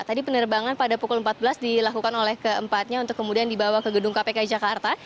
tadi penerbangan pada pukul empat belas dilakukan oleh keempatnya untuk kemudian dibawa ke gedung kpk jakarta